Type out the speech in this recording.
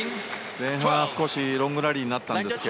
前半、少しロングラリーになったんですが